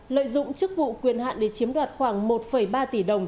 lợi dụng chức vụ quyền hạn để chiếm đoạt khoảng một ba tỷ đồng